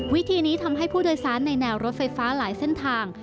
วิธีนี้ทำให้ผู้โดยสารในแนวรถไฟฟ้าหลายเส้นทาง